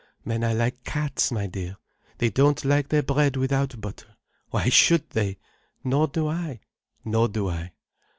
Men are like cats, my dear, they don't like their bread without butter. Why should they? Nor do I, nor do I."